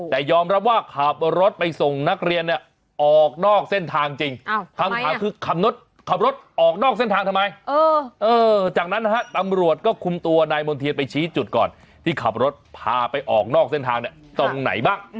ที่ขับรถพาไปออกนอกเส้นทางเนี่ยตรงไหนบ้าง